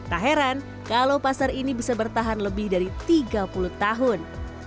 tak heran kalau pasar ini bisa bertahan lebih dari tiga puluh tahun